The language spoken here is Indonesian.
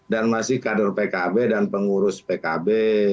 dan masih kader pkb dan pengurus pkb